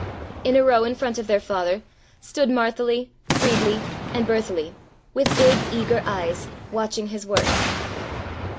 In a row in front of their father stood Martheli, Friedli, and Betheli, with big, eager eyes, watching his work.